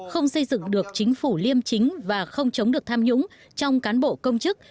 không xây dựng được chính phủ liêm chính và không chống được tham nhũng trong cán bộ công chức